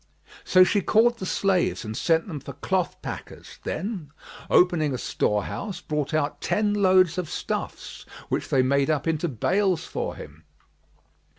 So she called the slaves and sent them for cloth packers, then, opening a store house, brought out ten loads of stuffs, which they made up into bales for him.